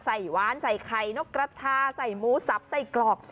หวานใส่ไข่นกกระทาใส่หมูสับไส้กรอก